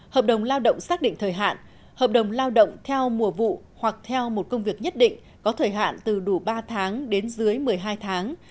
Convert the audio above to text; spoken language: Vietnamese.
hợp đồng lao động xác định thời hạn hợp đồng lao động theo mùa vụ hoặc theo một công việc nhất định có thời hạn từ đủ ba tháng đến dưới một mươi hai tháng